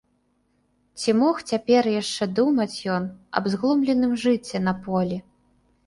Ці мог цяпер яшчэ думаць ён аб зглумленым жыце на полі?